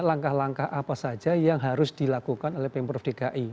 langkah langkah apa saja yang harus dilakukan oleh pemprov dki